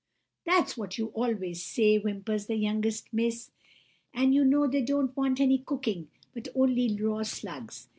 "'That's what you always say,' whimpers the youngest Miss; 'and you know they don't want any cooking, but only raw slugs!